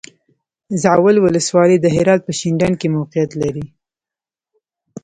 زاول ولسوالی د هرات په شینډنډ کې موقعیت لري.